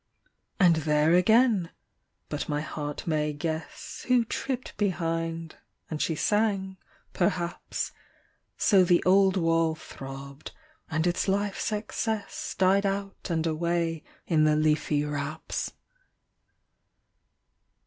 And there again! But my heart may guess Who tripped behind; and she sang, perhaps: So the old wall throbbed, and its life's excess Died out and away in the leafy wraps.